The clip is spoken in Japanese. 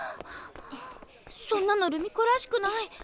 そんなの留美子らしくない。